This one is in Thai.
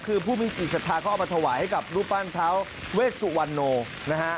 คือผู้มีจิตธาเขาเอามาถวายให้รุปันเท้าเวสุวันนู่น